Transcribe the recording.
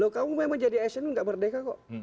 kamu memang jadi asn itu tidak merdeka kok